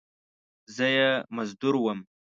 زه یې مزدور وم !